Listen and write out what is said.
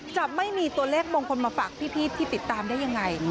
จะไม่มีตัวเลขมงคลมาฝากพี่ที่ติดตามได้ยังไง